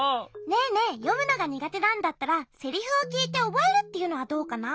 ねえねえよむのがにがてなんだったらセリフをきいておぼえるっていうのはどうかな？